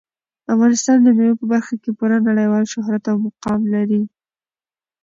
افغانستان د مېوو په برخه کې پوره نړیوال شهرت او مقام لري.